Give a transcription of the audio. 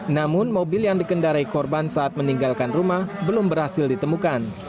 namun mobil yang dikendarai korban saat meninggalkan rumah belum berhasil ditemukan